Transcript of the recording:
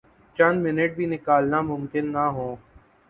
چند منٹ بھی نکالنا ممکن نہ ہوں۔